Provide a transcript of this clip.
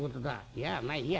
「いやまあいいや」。